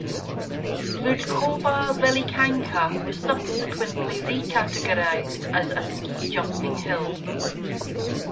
"Bloudkova velikanka" was subsequently recategorised as a ski jumping hill.